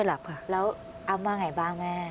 แล้วอ้ำมาไงบ้างแม่